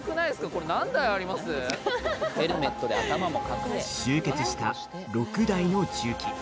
これ集結した６台の重機。